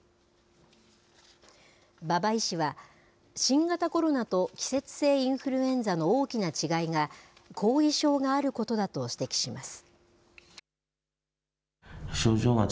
馬場医師は、新型コロナと季節性インフルエンザの大きな違いが、後遺症があることだと指摘します。